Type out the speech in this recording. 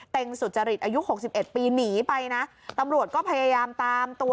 สุจริตอายุหกสิบเอ็ดปีหนีไปนะตำรวจก็พยายามตามตัว